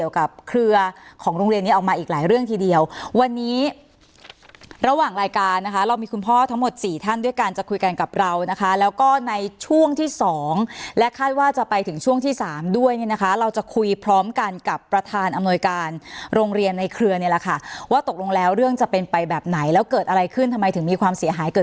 กับเครือของโรงเรียนนี้ออกมาอีกหลายเรื่องทีเดียววันนี้ระหว่างรายการนะคะเรามีคุณพ่อทั้งหมดสี่ท่านด้วยการจะคุยกันกับเรานะคะแล้วก็ในช่วงที่สองและคาดว่าจะไปถึงช่วงที่สามด้วยเนี่ยนะคะเราจะคุยพร้อมกันกับประธานอำนวยการโรงเรียนในเครือนี่แหละค่ะว่าตกลงแล้วเรื่องจะเป็นไปแบบไหนแล้วเกิดอะไรขึ้นทำไมถึงมีความเสียหายเกิด